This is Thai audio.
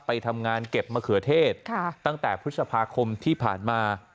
ไปทำงานเก็บมะเขือเทศตั้งแต่พฤษภาคมที่ผ่านมา